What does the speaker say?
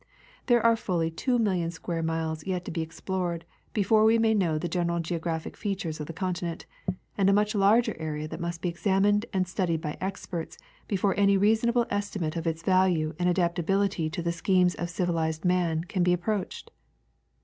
There are fully 2,000,000 square miles yet to be explored before we may know the general geographic features of the continent, and a much larger area that must be examined and studied by experts before any rea sonable estimate of its value and adaptability to the schemes of civilized man can be approached.